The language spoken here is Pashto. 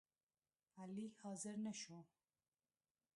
علي حاضر نشو